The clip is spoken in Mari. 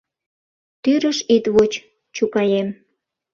Тӱрыш ит воч, чукаем.